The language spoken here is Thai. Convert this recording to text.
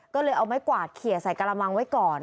ก็เลยเอาไม้กวาดเขียใส่กระมังไว้ก่อน